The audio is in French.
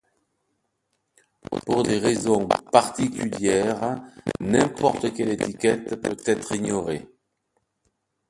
Pour des raisons particulières, n'importe quelle étiquette peut être ignorée.